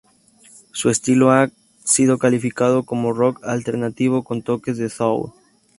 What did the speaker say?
Su estilo ha sido calificado como rock alternativo con toques de soul.